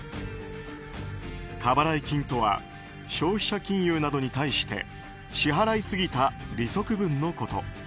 過払い金とは消費者金融などに対して支払いすぎた利息分のこと。